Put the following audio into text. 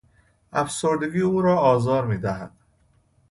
افسردگی او را آزار میدهد.